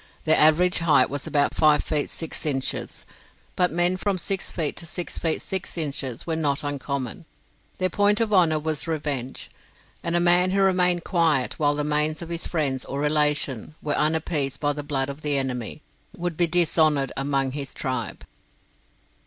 Their average height was about five feet six inches, but men from six feet to six feet six inches were not uncommon. Their point of honour was revenge, and a man who remained quiet while the manes of his friend or relation were unappeased by the blood of the enemy, would be dishonoured among his tribe.